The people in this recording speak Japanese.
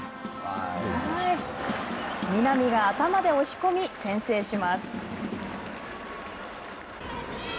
南が頭で押し込み先制します。